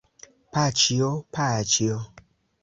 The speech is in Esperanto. Paĉjo, paĉjo!